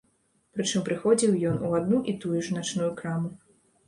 Прычым прыходзіў ён у адну і тую ж начную краму.